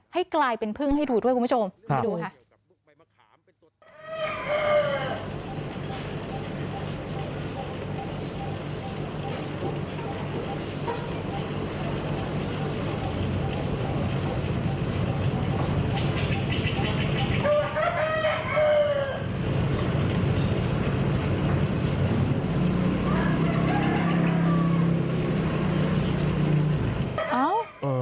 ให้กลายเป็นพึ่งให้ดูด้วยคุณผู้ชมไปดูค่ะ